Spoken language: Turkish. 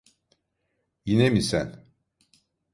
Yine mi sen?